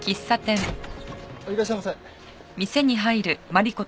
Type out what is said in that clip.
いらっしゃいませ。